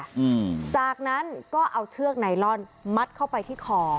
อืมจากนั้นก็เอาเชือกไนลอนมัดเข้าไปที่คอ